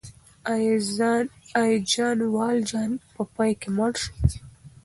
آیا ژان والژان په پای کې مړ شو؟